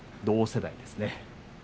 同世代です。